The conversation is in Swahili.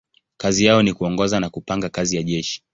Kazi yao ni kuongoza na kupanga kazi ya jeshi.